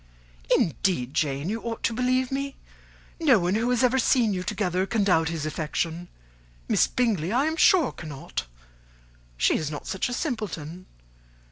"Indeed, Jane, you ought to believe me. No one who has ever seen you together can doubt his affection; Miss Bingley, I am sure, cannot: she is not such a simpleton.